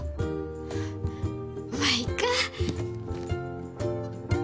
まあいっか。